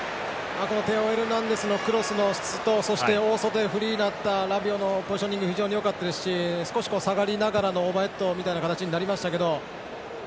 テオ・エルナンデスのクロスの質とそして、大外のフリーになったラビオのポジショニングが非常によかったですし少し下がりながらのオーバーヘッドみたいな形になりましたけど。